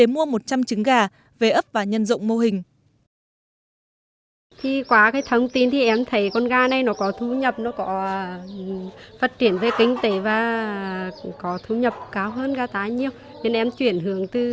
mua một trăm linh trứng gà về ấp và nhân rộng mô hình